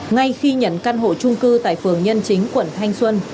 ngay khi nhận căn hộ trung cư tại phường nhân chính quận thanh xuân